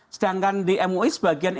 sedangkan di mui sebagiannya